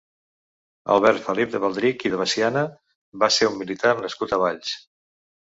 Albert Felip de Baldrich i de Veciana va ser un militar nascut a Valls.